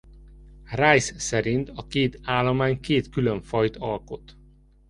Rice szerint a két állomány két külön fajt alkot.